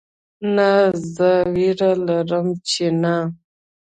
نه زه ویره لرم چې نه